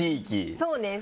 そうです。